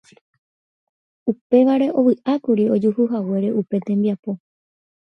Upévare ovy'ákuri ojuhuhaguére upe tembiapo.